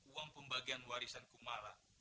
uang pembagian warisan kumala